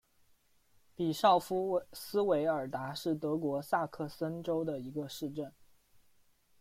比绍夫斯韦尔达是德国萨克森州的一个市镇。